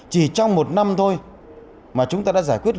chỉ trong một năm thôi mà chúng ta đã giải quyết